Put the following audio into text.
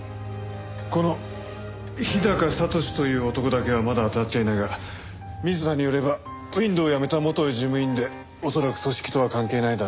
この日高聡という男だけはまだ当たっちゃいないが水田によればＷＩＮＤを辞めた元事務員で恐らく組織とは関係ないだろうと。